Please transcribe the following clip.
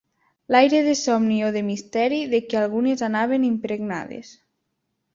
L'aire de somni o de misteri, de què algunes anaven impregnades.